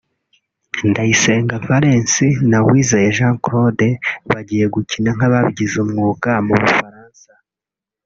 Ndayisenga Valens na Uwizeye Jean Claude bagiye gukina nk’ababigize umwuga mu Bufaransa